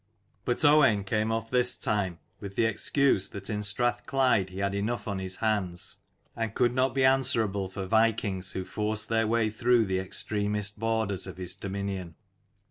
But Owain came off this time 72 with the excuse that in Strathclyde he had enough on his hands, and could not be answer able for vikings who forced their way through the extremest borders of his dominion.